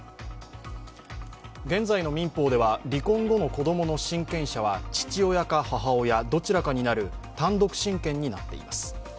現在の民法では離婚後の子供の親権者は父親か母親、どちらかになる単独親権になっています。